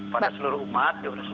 pada seluruh umat diurusan